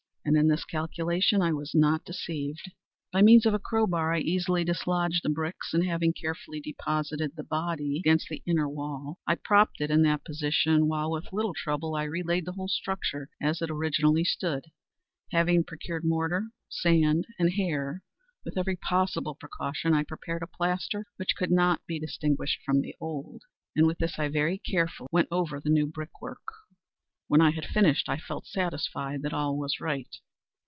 And in this calculation I was not deceived. By means of a crow bar I easily dislodged the bricks, and, having carefully deposited the body against the inner wall, I propped it in that position, while, with little trouble, I re laid the whole structure as it originally stood. Having procured mortar, sand, and hair, with every possible precaution, I prepared a plaster which could not be distinguished from the old, and with this I very carefully went over the new brickwork. When I had finished, I felt satisfied that all was right.